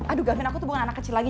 aduh game aku tuh bukan anak kecil lagi